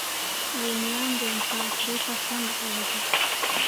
رومیان د انسان خولې ته خوند راولي